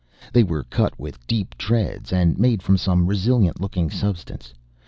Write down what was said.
They were cut with deep treads and made from some resilient looking substance.